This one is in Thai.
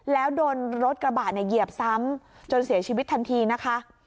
แล้วโดนรถกระบะเนี่ยเหยียบซ้ำจนเสียชีวิตทันทีนะคะ